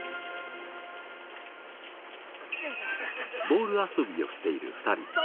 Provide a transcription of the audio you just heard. ボール遊びをしている２人。